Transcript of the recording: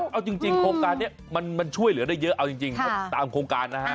เอาจริงโครงการนี้มันช่วยเหลือได้เยอะเอาจริงตามโครงการนะฮะ